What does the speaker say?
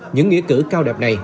những nghĩa cử cao đẹp này